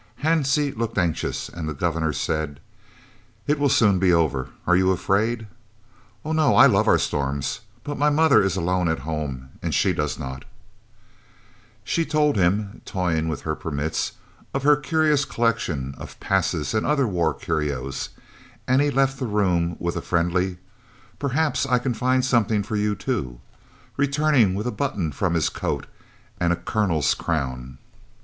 Hansie looked anxious, and the Governor said: "It will soon be over. Are you afraid?" "Oh no, I love our storms; but my mother is alone at home, and she does not." She told him, toying with her permits, of her curious collection of passes and other war curios, and he left the room with a friendly "Perhaps I can find something for you too," returning with a button from his coat and a colonel's crown.